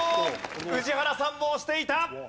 宇治原さんも押していた。